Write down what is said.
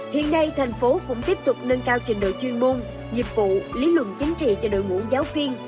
hiện nay thành phố cũng tiếp tục nâng cao trình độ chuyên môn dịch vụ lý luận chính trị cho đội ngũ giáo viên